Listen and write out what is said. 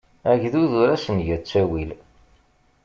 Agdud ur as-nga ttawil.